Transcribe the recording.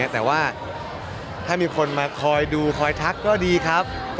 แต่ว่าถ้ามีคนมาคอยดูคอยทักก็ดีครับ